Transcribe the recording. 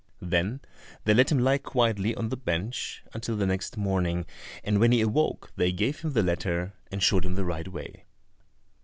Then they let him lie quietly on the bench until the next morning, and when he awoke they gave him the letter, and showed him the right way.